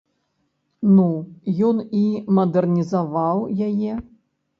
Ну, ён і мадэрнізаваў яе.